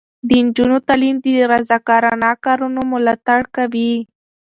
د نجونو تعلیم د رضاکارانه کارونو ملاتړ کوي.